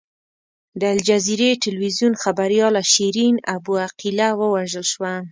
د الجزیرې ټلویزیون خبریاله شیرین ابو عقیله ووژل شوه.